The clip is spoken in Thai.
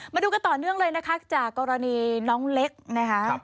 มาดูกันต่อเนื่องเลยนะคะจากกรณีน้องเล็กนะคะ